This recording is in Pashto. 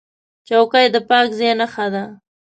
چوکۍ د پاک ځای نښه ده.